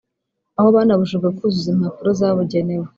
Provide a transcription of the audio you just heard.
aho banabujijwe kuzuza impapuro zabugenewe